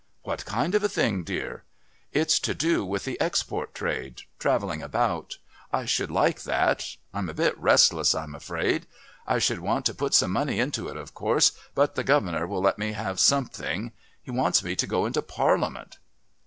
"What kind of a thing, dear?" "It's to do with the export trade. Travelling about. I should like that. I'm a bit restless, I'm afraid. I should want to put some money into it, of course, but the governor will let me have something.... He wants me to go into Parliament."